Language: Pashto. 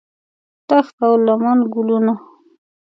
دښت او لمن ګلونه